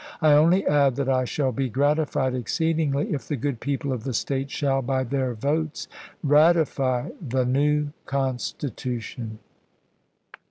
I only add that I shall be gratified exceedingly if the good people of the State shall, toHofltoian, by their votes, ratify the new constitution.